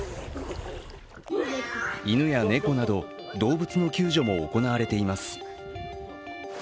犬や猫など動物の救助も行われています。